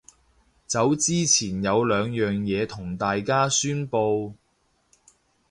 走之前有兩樣嘢同大家宣佈